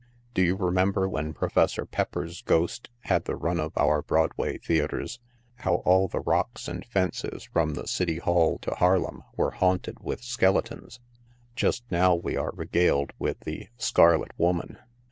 Do you remember when Professor Pepper's Ghost had the run of our Broadway theatres, how all the rocks and fences from the City Hall to Harlem were haunted with skeletons ? Just now we are re galed with the u Scarlet Woman.